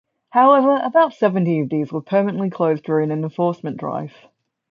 However, about seventy of these were permanently closed during an enforcement drive.